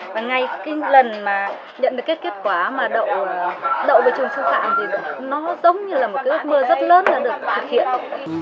và ngay cái lần mà nhận được kết quả mà đậu đậu về trường sư phạm thì nó giống như là một cái ước mơ rất lớn là được thực hiện